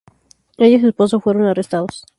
Ella y su esposo fueron arrestados.